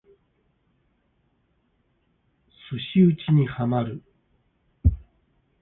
寿司打にハマる